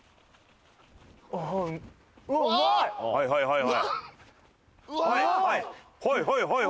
はいはいはいはい。